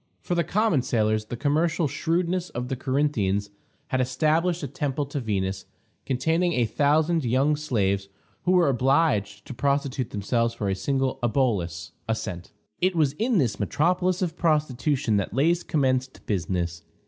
For the common sailors, the commercial shrewdness of the Corinthians had established a temple to Venus, containing a thousand young slaves, who were obliged to prostitute themselves for a single obolus (a cent). It was in this metropolis of prostitution that Lais commenced business.